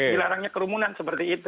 dilarangnya kerumunan seperti itu